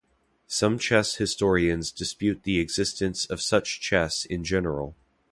Some chess historians dispute the existence of such chess in general.